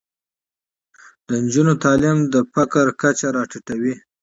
د نجونو تعلیم د فقر کچه راټیټوي.